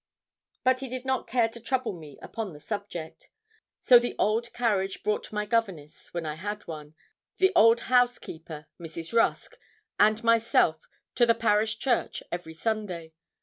But he did not care to trouble me upon the subject. So the old carriage brought my governess, when I had one, the old housekeeper, Mrs. Rusk, and myself to the parish church every Sunday.